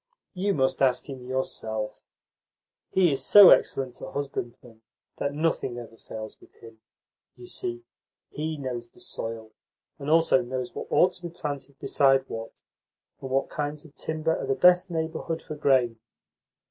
"You must ask him yourself. He is so excellent a husbandman that nothing ever fails with him. You see, he knows the soil, and also knows what ought to be planted beside what, and what kinds of timber are the best neighbourhood for grain.